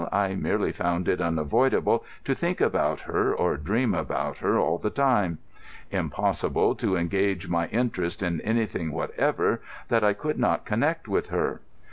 I merely found it unavoidable to think about her or dream about her all the time; impossible to engage my interest in anything whatever that I could not connect with her.